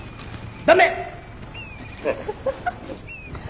ダメ！